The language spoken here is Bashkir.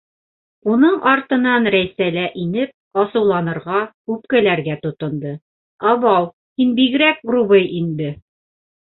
Уның артынан Рәйсә лә инеп, асыуланырға, үпкәләргә тотондо: - Абау, һин бигерәк грубый инде!